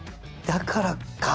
「だからか」